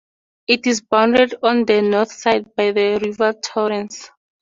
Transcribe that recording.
It is bounded on the north side by the River Torrens.